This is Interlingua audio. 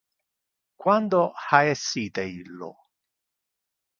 Quando ha essite illo